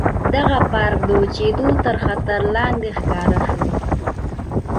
دغه پارک د وچېدو تر خطر لاندې ښکاره شو.